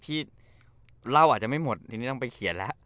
พี่เล่าอาจจะไม่หมดทีนี้ต้องไปเขียนแล้ว